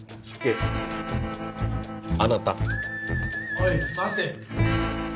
おい待て。